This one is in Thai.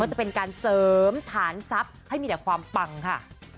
จะเป็นการเสริมฐานทรัพย์ให้มีแต่ความปังค่ะ